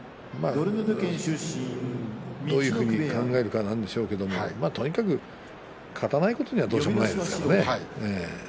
どういうふうに考えるかなんでしょうけれどもとにかく勝たないことにはどうしようもないですからね。